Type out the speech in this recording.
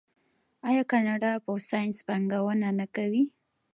آیا کاناډا په ساینس پانګونه نه کوي؟